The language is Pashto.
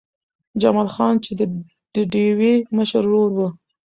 جمال خان چې د ډېوې مشر ورور و